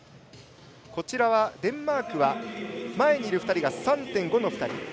デンマークは前にいる２人が３．５の２人。